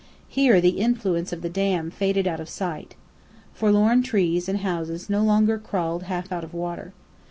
Here the influence of the Dam faded out of sight. Forlorn trees and houses no longer crawled half out of water.